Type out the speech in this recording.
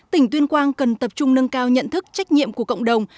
tỉnh tuyên quang cần tập trung nâng cao nhận thức trách nhiệm của cộng đồng